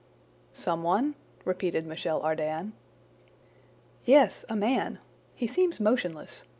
"Some one?" repeated Michel Ardan. "Yes; a man! He seems motionless.